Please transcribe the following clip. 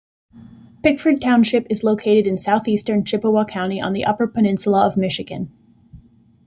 Pickford Township is located in southeastern Chippewa County on the Upper Peninsula of Michigan.